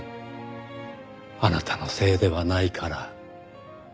「あなたのせいではないから」